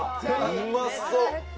うまそう！